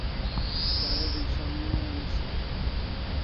Wareg'in som mo nisi